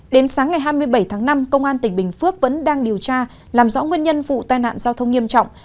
đến sáng ngày hai mươi bảy tháng năm công an tỉnh bình phước vẫn đang điều tra làm rõ nguyên nhân vụ tai nạn giao thông nghiêm trọng